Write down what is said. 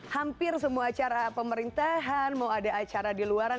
hampir semua acara pemerintahan mau ada acara di luaran